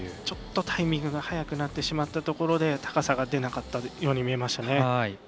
ちょっとタイミングが早くなってしまったところで高さが出なかったように見えましたね。